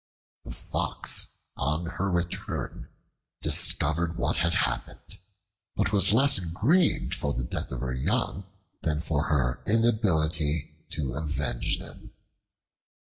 The Fox on her return, discovered what had happened, but was less grieved for the death of her young than for her inability to avenge them.